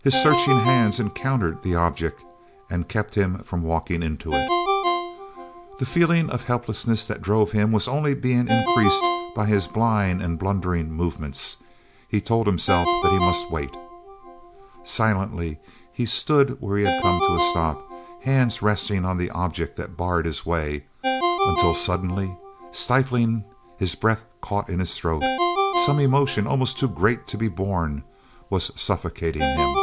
His searching hands encountered the object and kept him from walking into it. The feeling of helplessness that drove him was only being increased by his blind and blundering movements. He told himself that he must wait. Silently he stood where he had come to a stop, hands resting on the object that barred his way—until suddenly, stiflingly, his breath caught in his throat. Some emotion, almost too great to be borne, was suffocating him.